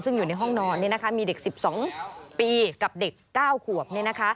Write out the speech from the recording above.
ซึ่งอยู่ในห้องนอนมีเด็ก๑๒ปีกับเด็ก๙ขวบ